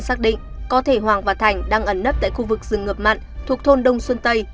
xác định có thể hoàng và thành đang ẩn nấp tại khu vực rừng ngập mặn thuộc thôn đông xuân tây